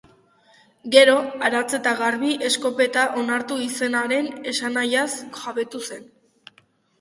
Gero, aratz eta garbi, eskopeta onartu izanaren esanahiaz jabetu zen.